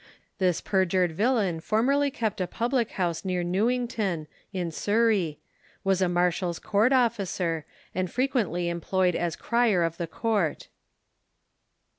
This perjured villain formerly kept a public house near Newington, in Surry; was a marshall's court officer, and frequently employed as crier of the court.